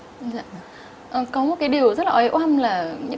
dạ có một cái điều rất là ổn là